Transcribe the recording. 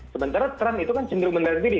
sementara trump itu kan cenderung menaruh diri